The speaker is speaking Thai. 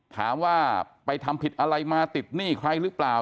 ถามว่าไปทำผิดอะไรมาติดหนี้ใครหรือเปล่า